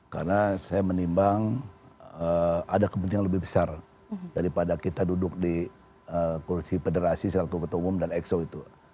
karena saya menimbang ada kepentingan lebih besar daripada kita duduk di kursi federasi sekaligus ketua umum dan exco itu